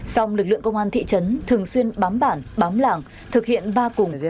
song lực lượng công an thị trấn thường xuyên bám bản bám làng thực hiện ba cùng